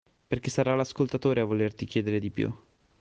Perché sarà l'ascoltatore a volerti chiedere di più.